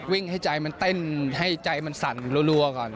ให้ใจมันเต้นให้ใจมันสั่นรัวก่อน